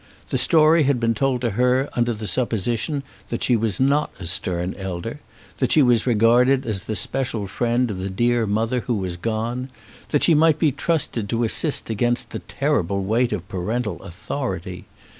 The story had been told to her under the supposition that she was not a stern elder, that she was regarded as the special friend of the dear mother who was gone, that she might be trusted to assist against the terrible weight of parental authority.